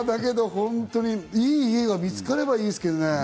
いい家が見つかればいいですけどね。